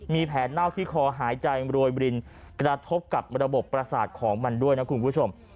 มีแผนเน่าที่คอหายใจรวยบรินกระทบกับระบบประสาทของมันด้วยนะคุณผู้ชม